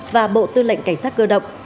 và bộ tư lệnh cảnh sát cơ động